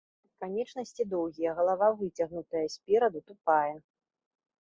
Канечнасці доўгія, галава выцягнутая, спераду тупая.